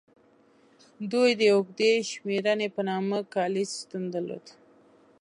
دوی د اوږدې شمېرنې په نامه کالیز سیستم درلود